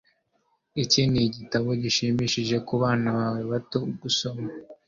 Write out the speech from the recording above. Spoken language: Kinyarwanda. Iki nigitabo gishimishije kubana bawe bato gusoma